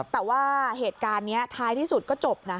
แต่ว่าเหตุการณ์นี้ท้ายที่สุดก็จบนะ